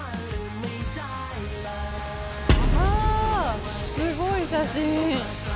あすごい写真！